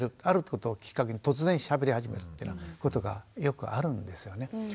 あることをきっかけに突然しゃべり始めるっていうことがよくあるんですよね。